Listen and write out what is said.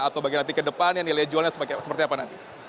atau bagaimana nanti ke depannya nilai jualnya seperti apa nanti